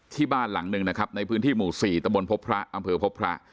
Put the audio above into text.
ที่บ้านหลังหนึ่งนะครับในพื้นที่หมู่๔ตะบนพบพระอำเภอพบพระ